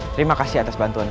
terima kasih atas bantuanmu